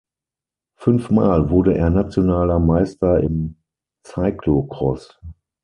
Fünf Mal wurde er nationaler Meister im Cyclocross.